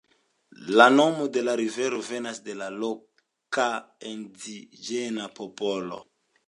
La nomo de la rivero venas de la loka indiĝena popolo.